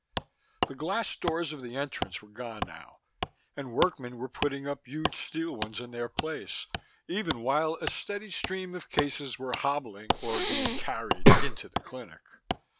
The glass doors of the entrance were gone now, and workmen were putting up huge steel ones in their place, even while a steady stream of cases were hobbling or being carried into the clinic.